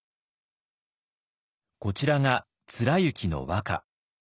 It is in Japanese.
こちらが貫之の和歌。